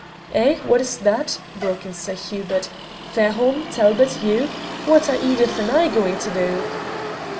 "Eh! what is that?" broke in Sir Hubert. "Fairholme, Talbot, you what are Edith and I going to do?"